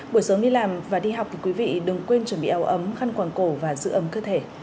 buổi sớm đi làm và đi học thì quý vị đừng quên chuẩn bị áo ấm khăn quảng cổ và giữ ấm cơ thể